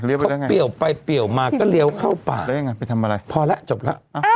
เขาเปรี้ยวไปเปลี่ยวมาก็เลี้ยวเข้าป่าแล้วยังไงไปทำอะไรพอแล้วจบแล้ว